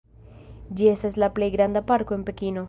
Ĝi estas la plej granda parko en Pekino.